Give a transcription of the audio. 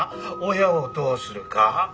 親をどうするか。